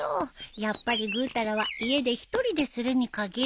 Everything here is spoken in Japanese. やっぱりぐうたらは家で１人でするに限るね。